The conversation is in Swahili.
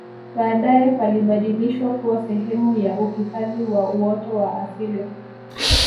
baadae palibadilishwa kuwa sehemu ya uhifadhi wa uoto wa asili